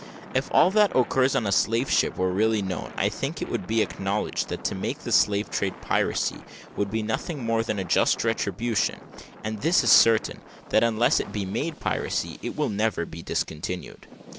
If all that occurs on a slave ship were really known, I think it would be acknowledged that to make the slave trade piracy would be nothing more than a just retribution; and this is certain, that unless it be made piracy, it never will be discontinued.